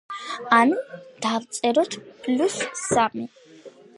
ანუ, დავწეროთ პლუს სამი.